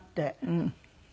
うん。